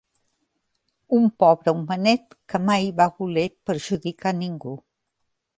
Un pobre homenet que mai va voler perjudicar ningú!